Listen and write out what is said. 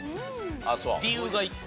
理由が１個。